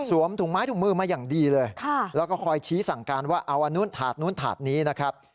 ถุงไม้ถุงมือมาอย่างดีเลยแล้วก็คอยชี้สั่งการว่าเอาอันนู้นถาดนู้นถาดนี้นะครับ